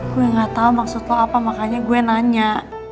gue gak tau maksud lo apa makanya gue nanya